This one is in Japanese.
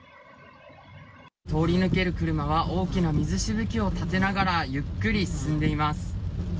通り抜ける車は大きな水しぶきを立てながら、ゆっくり進んでいます。